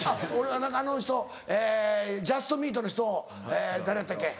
あの人ジャストミートの人誰やったっけ？